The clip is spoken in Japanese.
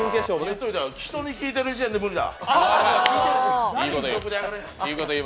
人に聞いてる時点で無理だ。